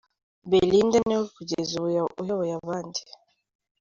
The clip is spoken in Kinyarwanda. Belinda niwe kugeza ubu uyoboye abandi.